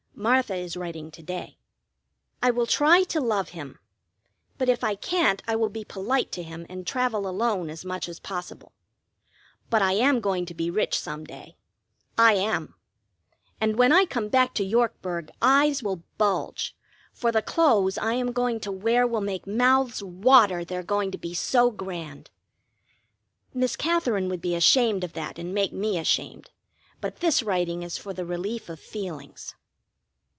(Martha is writing to day.) I will try to love him, but if I can't I will be polite to him and travel alone as much as possible. But I am going to be rich some day. I am. And when I come back to Yorkburg eyes will bulge, for the clothes I am going to wear will make mouths water, they're going to be so grand. Miss Katherine would be ashamed of that and make me ashamed, but this writing is for the relief of feelings.